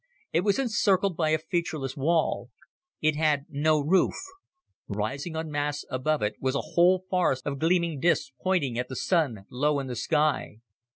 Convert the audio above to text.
It was encircled by a featureless wall. It had no roof. Rising on masts above it was a whole forest of gleaming discs pointing at the Sun low in the sky.